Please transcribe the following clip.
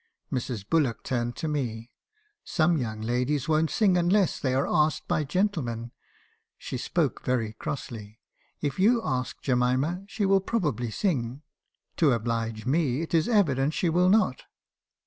Mrs. Bullock turned to me —" 'Some young ladies won't sing unless they are asked by gentlemen.' She spoke very crossly. 'If you ask Jemima, she will probably sing. To oblige me, it is evident she will not.'